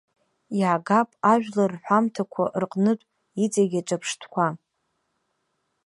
Иаагап ажәлар рҳәамҭақәа рҟнытә иҵегьыы аҿырԥштәқәа.